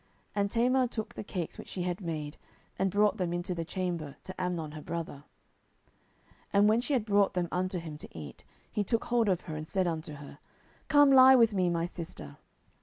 And Tamar took the cakes which she had made, and brought them into the chamber to Amnon her brother. 10:013:011 And when she had brought them unto him to eat, he took hold of her, and said unto her, Come lie with me, my sister.